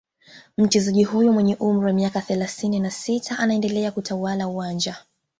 Mchezaji huyo mwenye umri wa miaka thelathini na sita anaendelea kutawala uwanjani